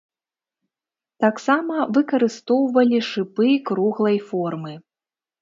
Таксама выкарыстоўвалі шыпы круглай формы.